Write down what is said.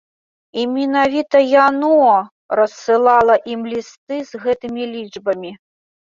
І менавіта яно рассылала ім лісты з гэтымі лічбамі.